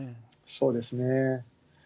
そうですね。